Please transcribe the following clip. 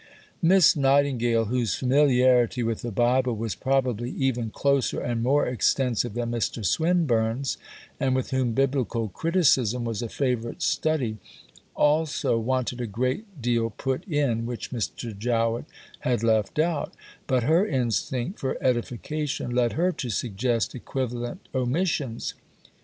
Miss Nightingale, whose familiarity with the Bible was probably even closer and more extensive than Mr. Swinburne's and with whom Biblical criticism was a favourite study, also wanted a great deal put in which Mr. Jowett had left out, but her instinct for edification led her to suggest equivalent omissions.